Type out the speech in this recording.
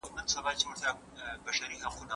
که موږ د ټولنې غړي یو نو باید پوه سو.